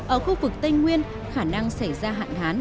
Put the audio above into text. ở khu vực tây nguyên khả năng xảy ra hạn hán